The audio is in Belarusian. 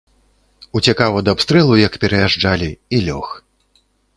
Уцякаў ад абстрэлу, як пераязджалі, і лёг.